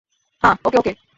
হা, okay, ওকে।